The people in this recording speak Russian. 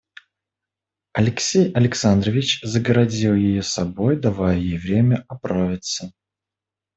Алексей Александрович загородил ее собою, давая ей время оправиться.